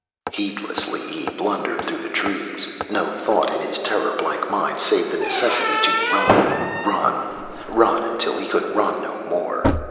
Heedlessly he blundered through the trees, no thought in his terror blank mind save the necessity to run, run, run until he could run no more.